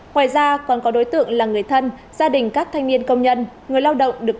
ngoài ra còn có đối tượng là người thân gia đình các thanh niên công nhân người lao động